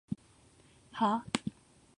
はぁ？